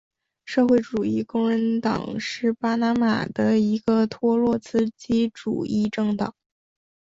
社会主义工人党是巴拿马的一个托洛茨基主义政党。